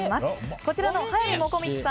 こちらの速水もこみちさん